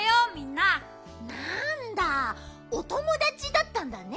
なんだおともだちだったんだね。